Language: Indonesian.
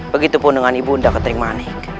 begitupun dengan ibu anda ketri manik